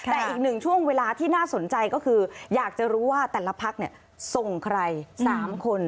แต่อีกหนึ่งช่วงเวลาที่น่าสนใจก็คืออยากจะรู้ว่าแต่ละพักส่งใคร๓คน